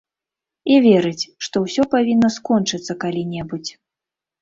І верыць, што ўсё павінна скончыцца калі-небудзь.